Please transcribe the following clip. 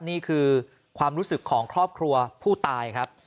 นี่คือความรู้สึกของครอบครัวผู้ตายครับ